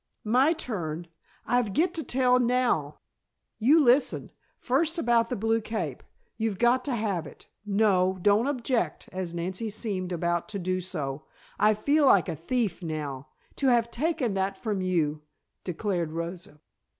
"My turn. I've get to tell now; you listen. First about the blue cape. You've got to have that. No, don't object," as Nancy seemed about to do so. "I feel like a thief now. To have taken that from you," declared Rosa.